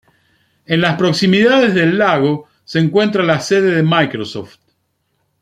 En las proximidades del lago se encuentra la sede de Microsoft.